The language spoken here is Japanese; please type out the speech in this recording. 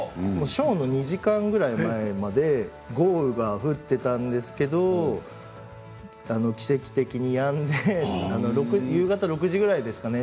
ショーの２時間前まで豪雨が降っていたんですけども奇跡的にやんで夕方６時ぐらいですかね